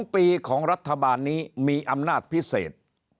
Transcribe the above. ๒ปีของรัฐบาลนี้มีอำนาจพิเศษ